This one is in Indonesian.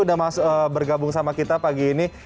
sudah bergabung sama kita pagi ini